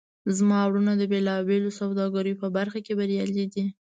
زما وروڼه د بیلابیلو سوداګریو په برخه کې بریالي دي